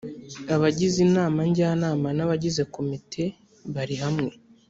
abagize inama njyanama n abagize komite barihamwe